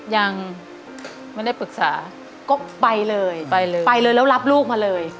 ยังไม่ได้ปรึกษาก็ไปเลยไปเลยไปเลยแล้วรับลูกมาเลย